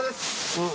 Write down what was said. うん。